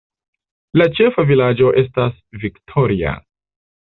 La ĉefa vilaĝo estas Victoria.